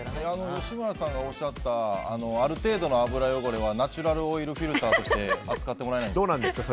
吉村さんがおっしゃったある程度の油汚れはナチュラルオイルフィルターとして扱ってもらえないんですか？